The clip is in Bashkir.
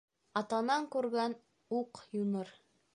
Атанан күргән уҡ юныр